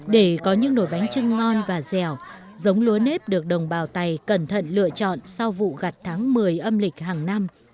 để có những nổi bánh trưng ngon và dẻo giống lúa nếp được đồng bào tày cẩn thận lựa chọn sau vụ gặt tháng một mươi âm lịch hàng năm